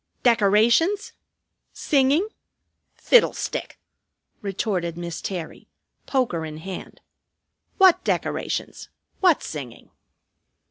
"Decorations? Singing? Fiddlestick!" retorted Miss Terry, poker in hand. "What decorations? What singing?"